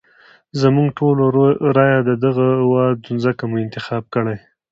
زموږ ټولو رايه ددغه وه نو ځکه مو انتخاب کړی.